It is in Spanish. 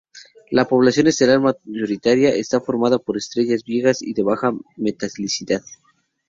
La población estelar mayoritaria está formada por estrellas viejas y de baja metalicidad.